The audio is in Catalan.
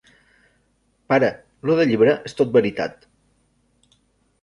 Pare, lo del llibre és tot veritat.